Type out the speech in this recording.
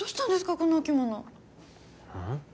このお着物うん？